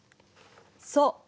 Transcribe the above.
そう。